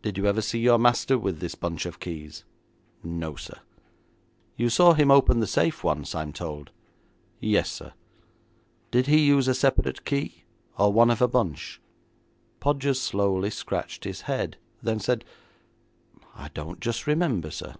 'Did you ever see your master with this bunch of keys?' 'No, sir.' 'You saw him open the safe once, I am told?' 'Yes, sir.' 'Did he use a separate key, or one of a bunch?' Podgers slowly scratched his head, then said, 'I don't just remember, sir.'